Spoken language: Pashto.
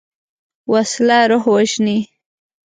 وسله روح وژني